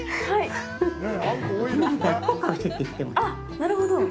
なるほど。